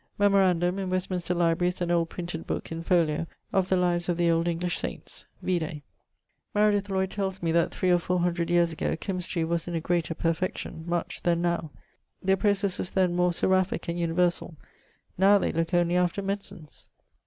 Memorandum: in Westminster library is an old printed booke, in folio, of the lives of the old English Saints: vide. Meredith Lloyd tells me that, three or 400 yeares ago, chymistry was in a greater perfection, much, then now; their proces was then more seraphique and universall: now they looke only after medicines.